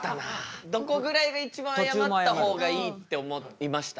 どこぐらいが一番あやまった方がいいって思いました？